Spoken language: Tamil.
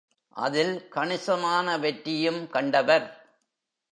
அதில் கணிசமான வெற்றியும் கண்டவர்.